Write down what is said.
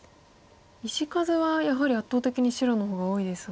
石数はやはり圧倒的に白の方が多いですが。